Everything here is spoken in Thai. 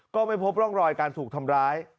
ก็ไม่พบร่องรอยการถูกทำร้าย